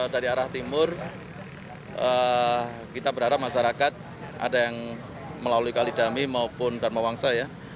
dari arah timur kita berharap masyarakat ada yang melalui kalidami maupun dharma wangsa ya